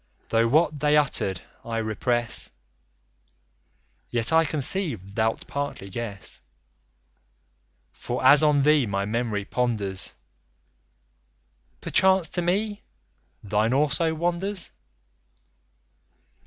Though, what they utter'd, I repress, Yet I conceive thou'lt partly guess For as on thee, my memory ponders, Perchance to me, thine also wanders.